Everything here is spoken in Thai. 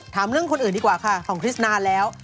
ถามเรื่องคนอื่นดีกว่าค่ะของคริสนานแล้ว